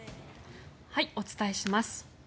お伝えします。